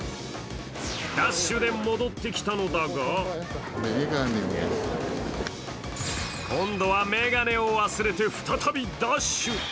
ダッシュで戻ってきたのだが今度は眼鏡を忘れて再びダッシュ。